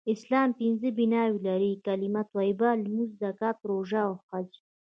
اسلام پنځه بناوې لری : کلمه طیبه ، لمونځ ، زکات ، روژه او حج